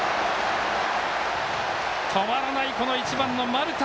止まらない１番の丸田。